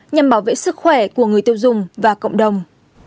nhằm bảo vệ sức khỏe của người tiêu dùng và cộng đồng